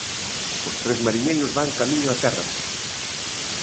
Os tres mariñeiros van camiño a terra.